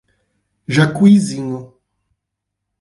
Jacuizinho